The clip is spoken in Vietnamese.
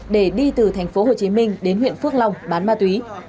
để đi từ tp hcm đến huyện phước long bán ma túy